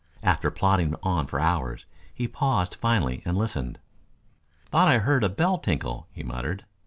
After plodding on for hours, he paused finally and listened. "Thought I heard a bell tinkle," he muttered.